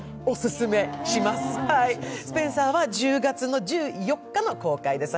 「スペンサー」は１０月１４日の公開です。